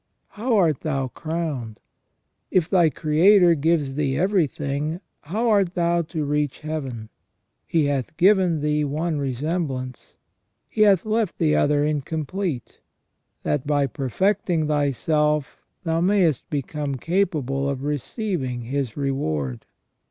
How art thou crowned? If thy Creator gives thee everything, how art thou to reach heaven? He hath given thee one resemblance. He has left the other incomplete, that by perfecting thyself thou mayest become capable of receiving His reward.